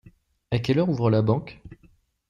À quelle heure ouvre la banque ?